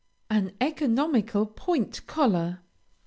AN ECONOMICAL POINT COLLAR.